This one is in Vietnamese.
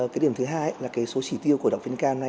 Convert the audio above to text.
cái điểm thứ hai là cái số chỉ tiêu của đọc phi nhi ca